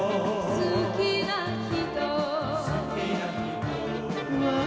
「好きな人」